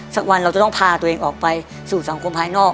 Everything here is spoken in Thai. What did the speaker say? สักวันเราจะต้องพาตัวเองออกไปสู่สังคมภายนอก